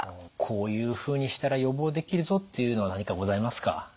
こういうふうにしたら予防できるぞっていうのは何かございますか？